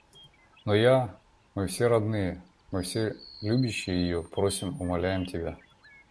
Но я, мы все родные, все любящие ее просим, умоляем тебя.